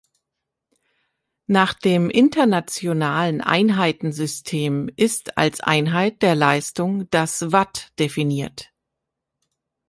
Nach dem Internationalen Einheitensystem ist als Einheit der Leistung das Watt definiert.